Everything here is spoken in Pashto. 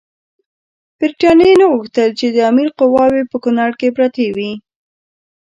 برټانیې نه غوښتل چې د امیر قواوې په کونړ کې پرتې وي.